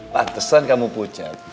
pantesan kamu pucat